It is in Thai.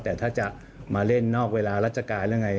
แต่ถ้าจะมาเล่นนอกเวลาราชการหรือไง